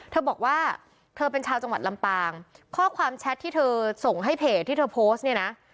เธอบอกว่าเธอเป็นชาวจังหวัดลำปางข้อความแชทที่เธอส่งให้เพจที่เธอโพสต์เนี่ยนะ